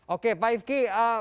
oke pak ifki